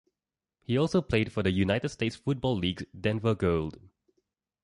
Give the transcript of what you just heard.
He also played for the United States Football League's Denver Gold.